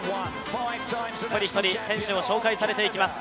一人一人、選手が紹介されていきます。